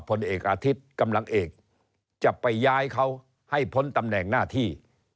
ผลเอกอาทิตย์กำลังเอกจะไปย้ายเขาให้พ้นตำแหน่งหน้าที่